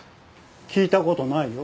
聞いた事ないよ。